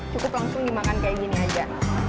cukup langsung dimakan kayak gini aja